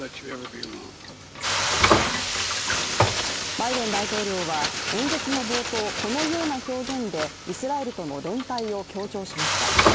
バイデン大統領は、演説の冒頭このような表現でイスラエルとの連帯を強調しました。